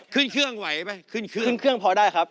ขึ้นเครื่องไหวไหมขึ้นเครื่องขึ้นเครื่องพอได้ครับ